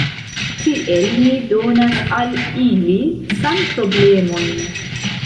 Tiel mi donas al ili sanproblemojn.